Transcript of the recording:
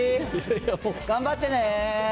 頑張ってね。